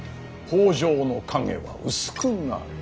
北条の影は薄くなる。